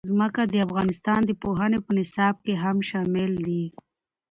ځمکه د افغانستان د پوهنې په نصاب کې هم شامل دي.